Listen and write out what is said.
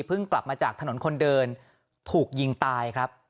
กลับมาจากถนนคนเดินถูกยิงตายครับ